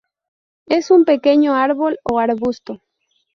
Es un pequeño árbol o arbusto.